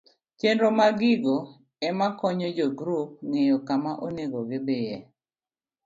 Chenro ma gigo ema konyo jogrup ng'eyo kama onego gidhiye